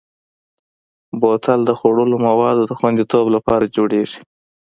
بوتل د خوړلو موادو د خوندیتوب لپاره جوړېږي.